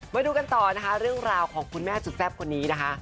มาดูกันต่อนะคะเรื่องราวของคุณแม่สุดแซ่บคนนี้นะคะ